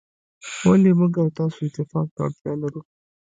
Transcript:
ولي موږ او تاسو اتفاق ته اړتیا لرو.